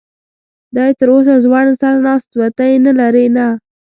دی تراوسه ځوړند سر ناست و، ته یې نه لرې؟ نه.